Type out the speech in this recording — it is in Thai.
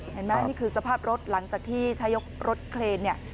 นี่คือสภาพรถหลังจากที่ใช้กรถเคลนเนี่ย